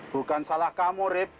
bukan salah kamu rip